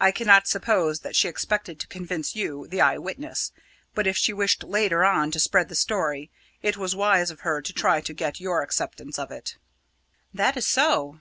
I cannot suppose that she expected to convince you, the eye witness; but if she wished later on to spread the story, it was wise of her to try to get your acceptance of it." "That is so!"